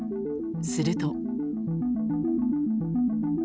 すると。